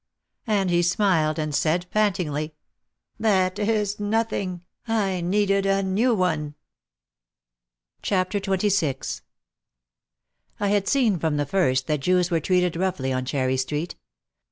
And he smiled and said pantingly, "That is nothing, I needed a new one." 104 OUT OF THE SHADOW XXVI I had seen from the first that Jews were treated roughly on Cherry Street.